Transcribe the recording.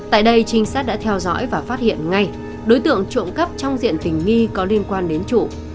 tại đây trinh sát đã theo dõi và phát hiện ngay đối tượng trộm cắp trong diện tình nghi có liên quan đến trụ